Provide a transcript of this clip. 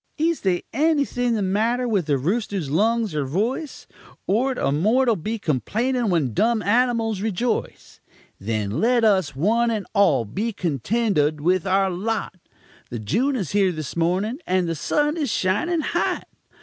Is they anything the matter with the rooster's lungs er voice? Ort a mortul be complanin' when dumb animals rejoice? Then let us, one and all, be contentud with our lot; The June is here this mornin', and the sun is shining hot.